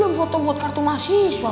lo kan belum foto buat kartu mahasiswa